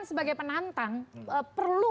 sebagai penantang perlu